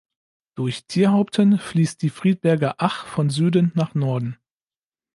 Durch Thierhaupten fließt die Friedberger Ach von Süden nach Norden.